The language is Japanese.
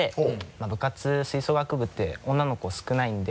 まぁ部活吹奏楽部って女の子少ないんで。